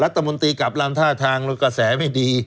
รัฐบุญตีกลับลำท่าทางแล้วก็แสงไม่ดี